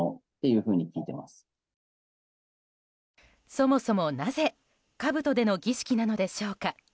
そもそもなぜかぶとでの儀式なのでしょうか。